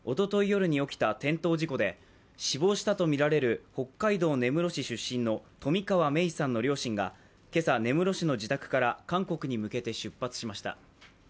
夜に起きた転倒事故で死亡したとみられる北海道根室市出身の冨川芽生さんの両親が今朝、根室市の自宅から韓国へ向けて出発しました。